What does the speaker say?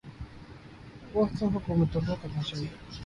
وہ تو حکومتوں کو کرنا چاہیے۔